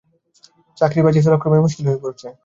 চাকরি বাঁচিয়ে চলা ক্রমেই মুশকিল হয়ে পড়ছে।